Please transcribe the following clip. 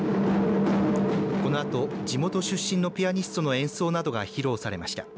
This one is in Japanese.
このあと、地元出身のピアニストの演奏などが披露されました。